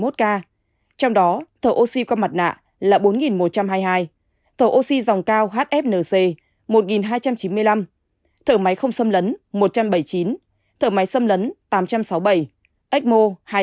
trong đó thở oxy qua mặt nạ là bốn một trăm hai mươi hai thở oxy dòng cao hfnc một hai trăm chín mươi năm thở máy không xâm lấn một trăm bảy mươi chín thở máy xâm lấn tám trăm sáu mươi bảy ecmo hai trăm sáu mươi